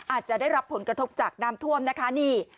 อาจจะได้รับผลกระทบจากน้ำท่วมนะคะนี่